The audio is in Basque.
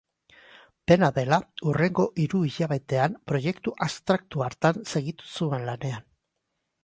Dena dela, hurrengo hiruhilabetean proiektu abstraktu hartan segitu zuen lanean.